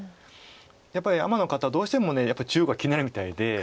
やっぱりアマの方はどうしても中央が気になるみたいで。